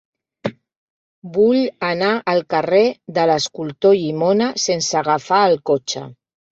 Vull anar al carrer de l'Escultor Llimona sense agafar el cotxe.